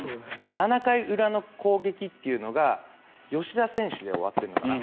７回裏の攻撃が吉田選手で終わっているのかな。